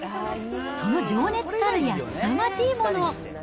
その情熱たるやすさまじいもの。